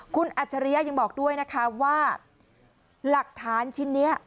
คุณอัจฉริยะยังบอกด้วยนะคะว่าหลักฐานชิ้นนี้